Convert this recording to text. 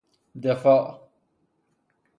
دفاع